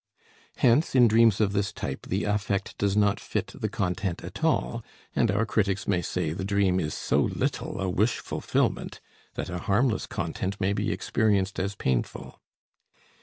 Hence in dreams of this type the affect does not fit the content at all, and our critics may say the dream is so little a wish fulfillment that a harmless content may be experienced as painful.